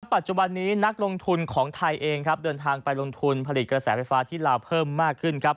ปัจจุบันนี้นักลงทุนของไทยเองครับเดินทางไปลงทุนผลิตกระแสไฟฟ้าที่ลาวเพิ่มมากขึ้นครับ